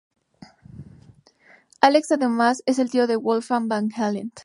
Alex además es el tío de Wolfgang Van Halen.